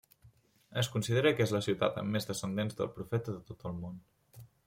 Es considera que és la ciutat amb més descendents del Profeta de tot el món.